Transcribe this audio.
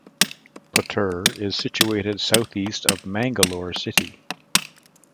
Puttur is situated south-east of Mangalore city.